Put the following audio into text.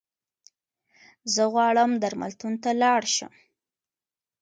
زه غواړم درملتون ته لاړشم